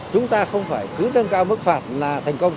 chúng ta không phải cứ nâng cao mức phạt là thành công